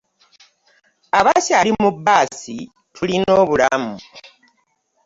Abakyali mu baasi tulina obulamu .